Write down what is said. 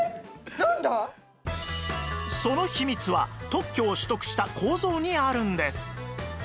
その秘密は特許を取得した構造にあるんです